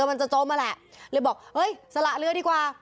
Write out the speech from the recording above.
ก็จะโจมมาแหละเลยบอกสละเรือดีกว่า